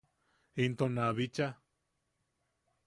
Into na bicha.